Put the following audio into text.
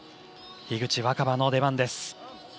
樋口新葉の出番です。